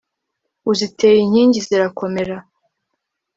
uziteye inkingi zirakomera